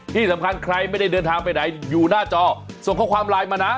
ที่สำคัญใครไม่ได้เดินทางไปไหนอยู่หน้าจอส่งข้อความไลน์มานะ